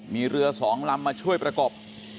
มีเรือสองลำมาช่วยประกบ